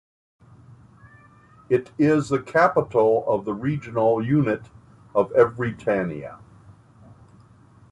It is the capital of the regional unit of Evrytania.